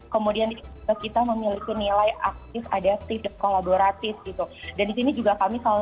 kemudian kita memiliki nilai aktif adatif kolaboratif gitu